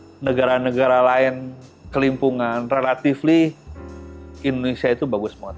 pada saat negara negara lain kelimpungan relatifly indonesia itu bagus banget